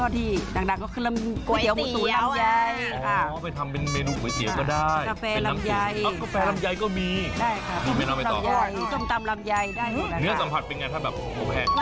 แต่ว่าไม่แข็งแล้วก็หอม